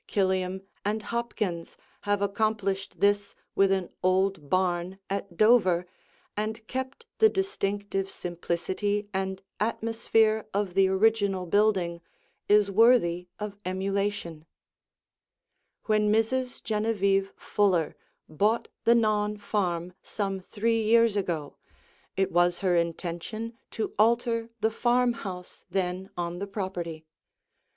Killam and Hopkins have accomplished this with an old barn at Dover and kept the distinctive simplicity and atmosphere of the original building is worthy of emulation. [Illustration: NAWN FARM FRONT VIEW] When Mrs. Genevieve Fuller bought the Nawn Farm some three years ago, it was her intention to alter the farmhouse then on the property.